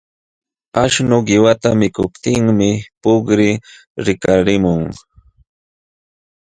Aśhnaq qiwata mikuptinmi puqri likalimun.